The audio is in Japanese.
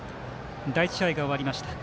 第１試合が終わりました。